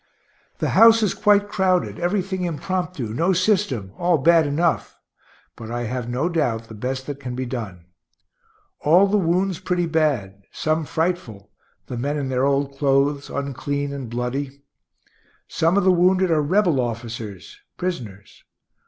The house is quite crowded, everything impromptu, no system, all bad enough, but I have no doubt the best that can be done; all the wounds pretty bad, some frightful, the men in their old clothes, unclean and bloody. Some of the wounded are rebel officers, prisoners.